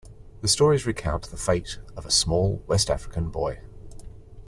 The stories recount the fate of a small West African boy.